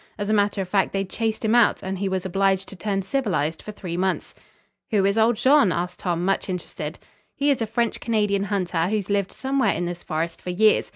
As a matter of fact they chased him out, and he was obliged to turn civilized for three months." "Who is old Jean?" asked Tom, much interested. "He is a French Canadian hunter who has lived somewhere in this forest for years.